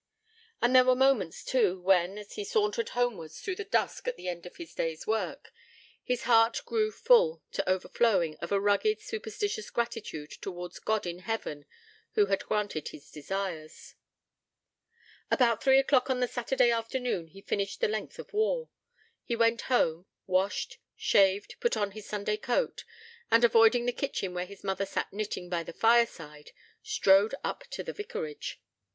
And there were moments too, when, as he sauntered homewards through the dusk at the end of his day's work, his heart grew full to overflowing of a rugged, superstitious gratitude towards God in Heaven who had granted his desires. About three o'clock on the Saturday afternoon he finished the length of wall. He went home, washed, shaved, put on his Sunday coat; and, avoiding the kitchen, where his mother sat knitting by the fireside, strode up to the vicarage.